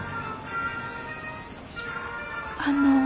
あの？